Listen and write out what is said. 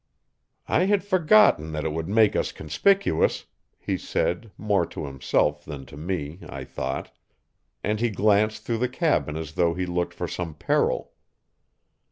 "I had forgotten that it would make us conspicuous," he said, more to himself than to me, I thought; and he glanced through the cabin as though he looked for some peril.